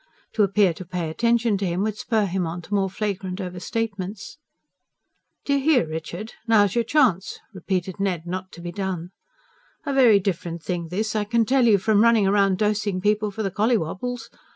To appear to pay attention to him would spur him on to more flagrant over statements. "D'ye hear, Richard? Now's your chance," repeated Ned, not to be done. "A very different thing this, I can tell you, from running round dosing people for the collywobbles.